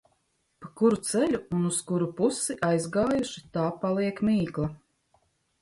Pa kuru ceļu un uz kuru pusi aizgājuši, tā paliek mīkla.